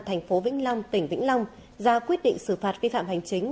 thành phố vĩnh long tỉnh vĩnh long ra quyết định xử phạt vi phạm hành chính